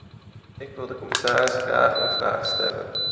Ik wil de commissaris graag een vraag stellen.